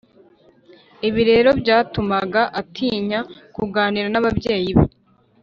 ibi rero byatumaga atinya kuganira n’ababyeyi be